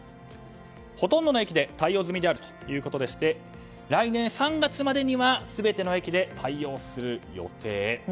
ほとんどの駅で対応済みであるということでして来年３月までには全ての駅で対応する予定。